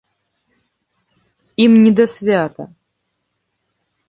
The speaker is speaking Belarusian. Ім не да свята.